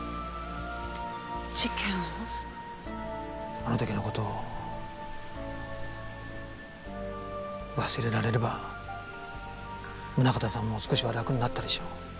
あの時の事を忘れられれば宗形さんも少しは楽になったでしょう。